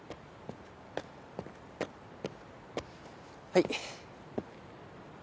はい。